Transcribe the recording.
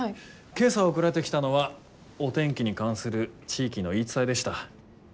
今朝送られてきたのはお天気に関する地域の言い伝えでした。